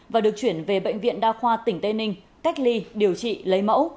và được chuyển về bệnh viện đa khoa tỉnh tây ninh cách ly điều trị lấy mẫu